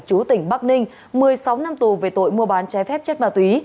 chú tỉnh bắc ninh một mươi sáu năm tù về tội mua bán trái phép chất ma túy